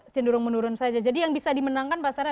cenderung menurun saja jadi yang bisa dimenangkan pasarnya